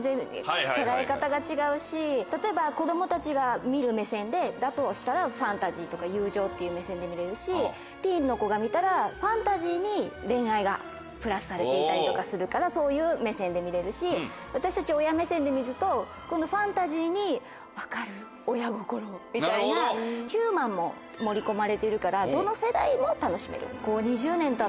例えば子供たちが見る目線だとしたらファンタジーとか友情っていう目線で見れるしティーンの子が見たらファンタジーに恋愛がプラスされていたりとかするからそういう目線で見れるし私たち親目線で見ると今度ファンタジーに分かる親心みたいなヒューマンも盛り込まれてるからどの世代も楽しめる。